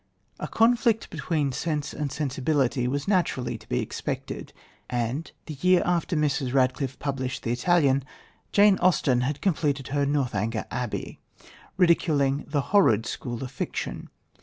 A conflict between "sense and sensibility" was naturally to be expected; and, the year after Mrs. Radcliffe published The Italian, Jane Austen had completed her Northanger Abbey, ridiculing the "horrid" school of fiction.